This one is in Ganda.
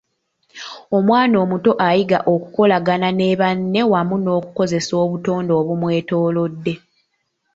Omwana omuto ayiga okukolagana ne banne wamu n’okukozesa obutonde obumwetoolodde.